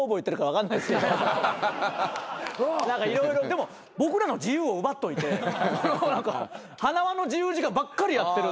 でも僕らの自由を奪っといて塙の自由時間ばっかりやってるんで。